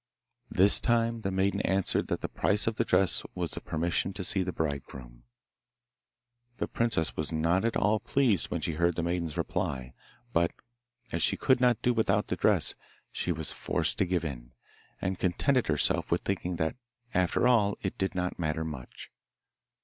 This time the maiden answered that the price of the dress was the permission to see the bridegroom. The princess was not at all pleased when she heard the maiden's reply, but, as she could not do without the dress, she was forced to give in, and contented herself with thinking that after all it did not matter much.